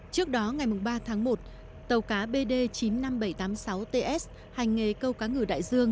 trước đó ngày ba tháng một tàu cá bd chín mươi năm nghìn bảy trăm tám mươi sáu ts hành nghề câu cá ngử đại dương